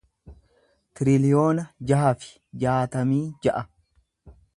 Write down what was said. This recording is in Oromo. tiriliyoona jaha fi jaatamii ja'a